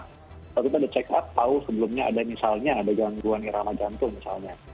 kalau kita ada check up tahu sebelumnya ada misalnya ada gangguan irama jantung misalnya